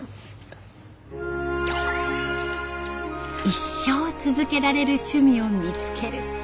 一生続けられる趣味を見つける。